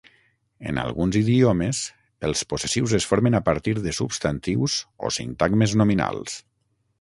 En alguns idiomes, els possessius es formen a partir de substantius o sintagmes nominals.